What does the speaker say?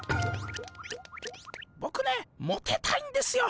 ボクねモテたいんですよ。